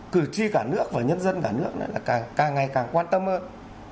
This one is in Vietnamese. cử tri cả nước và nhân dân cả nước lại là càng ngày càng quan tâm hơn